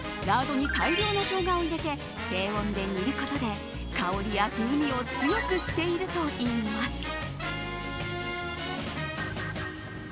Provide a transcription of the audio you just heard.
ラードに大量のショウガを入れて低温で煮ることで香りや風味を強くしているといいます。